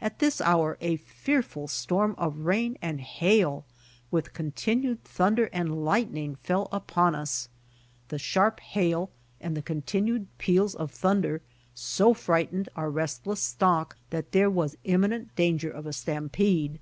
At this hour a fearful storm of rain and hail with continued thunder and lightning fell upon us. The sharp hail and the continued peals of thunder so frightened our restless stock that there was imminent danger of a stampede.